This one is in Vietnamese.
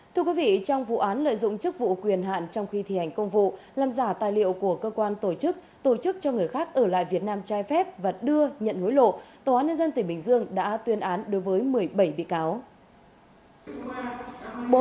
thưa quý vị trong vụ án lợi dụng chức vụ quyền hạn trong khi thi hành công vụ làm giả tài liệu của cơ quan tổ chức tổ chức cho người khác ở lại việt nam trai phép và đưa nhận hối lộ tòa án nhân dân tỉnh bình dương đã tuyên án đối với một mươi bảy bị cáo